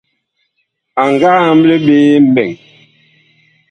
A nga amble ɓe mɓɛɛŋ.